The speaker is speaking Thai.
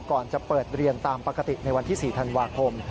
ก่อนจะเปิดเรียนตามปกติในวันที่๔ธันวาคม